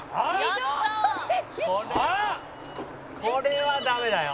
「これはダメだよ」